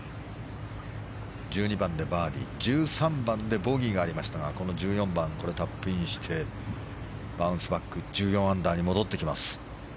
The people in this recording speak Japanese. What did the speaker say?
１２番でバーディー１３番でボギーがありましたがこの１４番、タップインしてバウンスバック１４アンダーに戻ってきます。